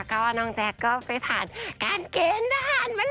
ก็ว่าน้องแจ๊กก็ไปผ่านการเกณฑ์อาหาร